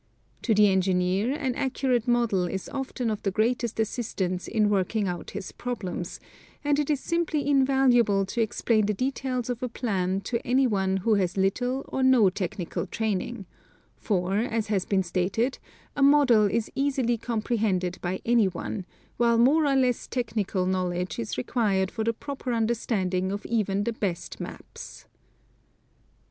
To the engineer an accurate model is often of the greatest assistance 256 National Geogra, phiG Magazine. in working out his problems, and it is simply invaluable to ex plain the details of a plan to anyone who has little or no tech nical training ; for, as has been stated, a model is easily compre hended by anyone, while more or less technical knowledge is required for the proper understanding of even the best maps.